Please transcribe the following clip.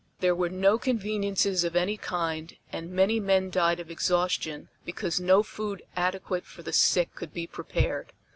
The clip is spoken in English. There were no conveniences of any kind and many men died of exhaustion because no food adequate for the sick could be prepared.